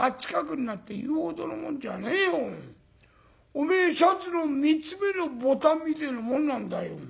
おめえシャツの３つ目のボタンみてえなもんなんだよ。